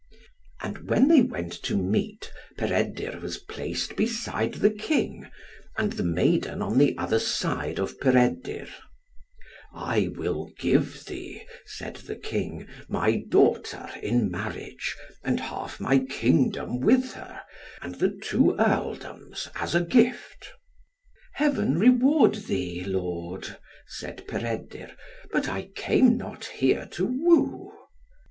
And when they went to meat, Peredur was placed beside the King, and the maiden on the other side of Peredur, "I will give thee," said the King, "my daughter in marriage, and half my kingdom with her, and the two Earldoms as a gift." "Heaven reward thee, lord," said Peredur, "but I came not here to woo."